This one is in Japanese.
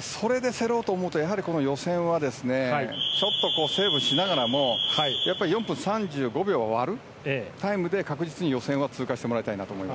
それで競ろうと思うとやはり、この予選はちょっとセーブしながらも４分３５秒を割るタイムで確実に予選を通過してもらいたいと思います。